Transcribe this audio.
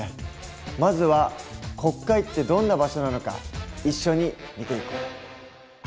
まずは国会ってどんな場所なのか一緒に見ていこう。